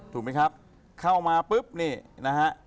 ถูกไหมครับเข้ามาปุ๊บนี่นะฮะ